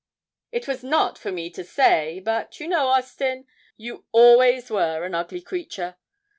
'It was not for me to say but you know, Austin, you always were an ugly creature.